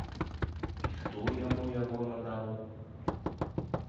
І хто яму яго надаў?